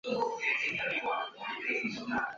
黄光裕现羁押于北京市第二监狱。